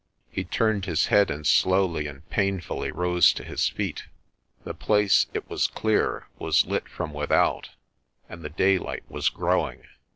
He turned his head and slowly and painfully rose to his feet. The place, it was clear, was lit from without, and the daylight was growing.